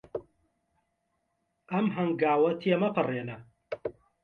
ئەم هەنگاوە تێمەپەڕێنە.